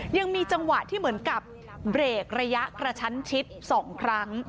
ยังมีจังหวะที่เหมือนกับเบรกระยะกระชั้นชิด๒ครั้ง